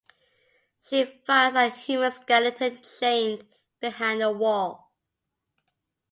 She finds a human skeleton chained behind a wall.